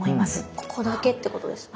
ここだけってことですね？